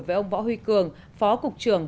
với ông võ huy cường phó cục trưởng